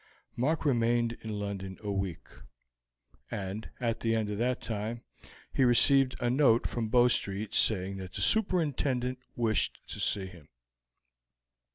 Mark remained in London a week, and at the end of that time he received a note from Bow Street saying that the superintendent wished to see him.